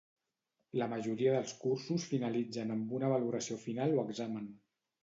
La majoria dels cursos finalitzen amb una valoració final o examen.